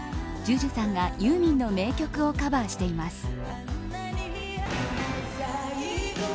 ＪＵＪＵさんがユーミンの名曲をカバーしています。